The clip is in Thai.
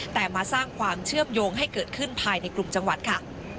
แต่มาสร้างความเชื่อมโยงให้เกิดขึ้นภายในกลุ่มจังหวัดค่ะ